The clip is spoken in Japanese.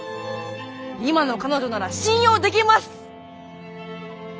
今の彼女なら信用できます！